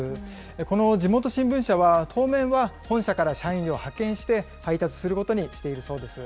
この地元新聞社は、当面は本社から社員を派遣して、配達することにしているそうです。